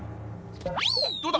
どうだ？